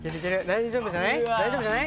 大丈夫じゃない？